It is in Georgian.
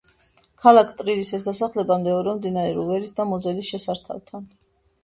ქალაქ ტრირის ეს დასახლება მდებარეობს მდინარე რუვერის და მოზელის შესართავთან.